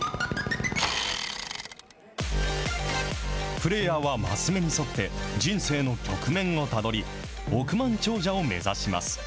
プレーヤーはマス目に沿って、人生の局面をたどり、億万長者を目指します。